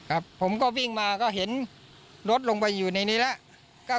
ผมก็วิ่งมาก็เห็นรถลงไปอยู่ในนี้แล้ว